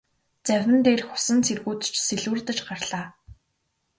Завин дээрх усан цэргүүд ч сэлүүрдэж гарлаа.